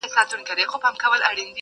او يوازې پاتې کيږي هره ورځ,